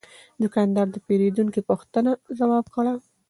دوکاندار د پیرودونکي پوښتنه ځواب کړه.